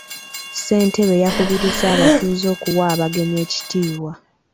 Ssentebe yakubirizza abatuuze okuwa abagenyi ekitiibwa.